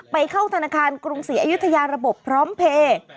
ไปเข้าธนาคารกรุงศรีอายุทยาระบบพร้อมเพลย์